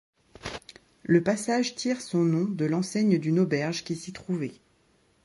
Le passage tire son nom de l'enseigne d'une auberge qui s'y trouvait.